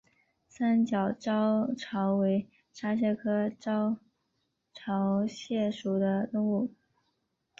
三角招潮为沙蟹科招潮蟹属的动物。